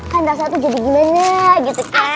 kan rasa tuh jadi gimana gitu kan